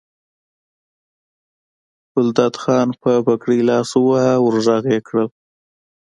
ګلداد خان په پګړۍ لاس وواهه ور غږ یې کړل.